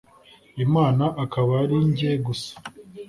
imana akaba arinjye gusa